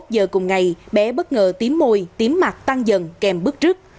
hai mươi một giờ cùng ngày bé bất ngờ tím môi tím mặt tăng dần kèm bước trước